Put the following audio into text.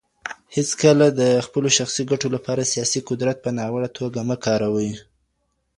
هیڅکله د خپلو شخصي ګټو لپاره سیاسي قدرت په ناوړه توګه مه کاروئ.